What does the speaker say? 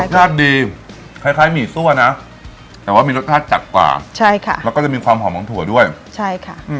รสชาติดีคล้ายคล้ายหมี่ซั่วนะแต่ว่ามีรสชาติจัดกว่าใช่ค่ะแล้วก็จะมีความหอมของถั่วด้วยใช่ค่ะ